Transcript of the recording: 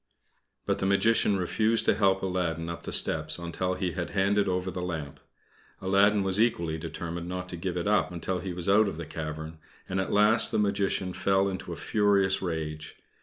But the Magician refused to help Aladdin up the steps until he had handed over the lamp. Aladdin was equally determined not to give it up until he was out of the cavern, and, at last, the Magician fell into a furious rage.